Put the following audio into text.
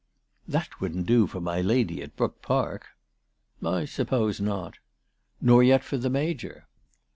" That wouldn't do for my lady at Brook Park." " I suppose not." " Nor yet for the Major."